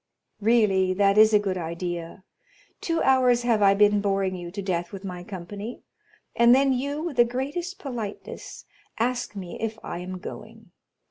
"Really, that is a good idea!—two hours have I been boring you to death with my company, and then you, with the greatest politeness, ask me if I am going.